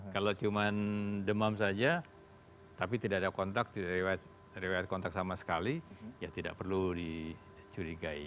kalau cuma demam saja tapi tidak ada kontak rewet kontak sama sekali ya tidak perlu dicurigai